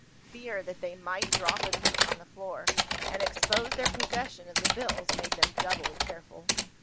Fear that they might drop a piece on the floor, and expose their possession of the bills, made them doubly careful.